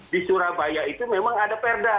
di surabaya itu memang ada perda